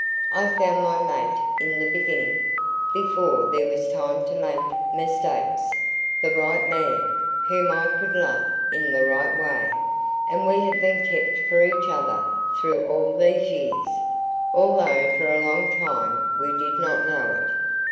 I found my mate in the beginning, before there was time to make mistakes the right man, whom I could love in the right way and we have been kept for each other through all these years, although for a long time we did not know it.